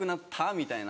みたいな。